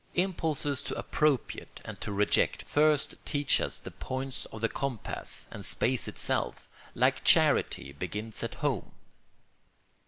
Impulses to appropriate and to reject first teach us the points of the compass, and space itself, like charity, begins at home.